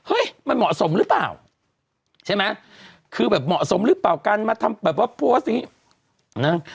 เอ้ยมันเหมาะสมรึเปล่าใช่มั้ยคือแบบเหมาะสมรึเปล่ากันมาทำแบบว่าโพสต์อันดังนั้น